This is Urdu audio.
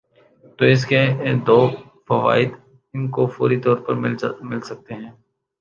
تو اس کے دو فوائد ان کو فوری طور پر مل سکتے ہیں۔